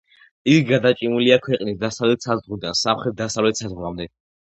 იგი გადაჭიმულია ქვეყნის დასავლეთ საზღვრიდან, სამხრეთ-დასავლეთ საზღვრამდე.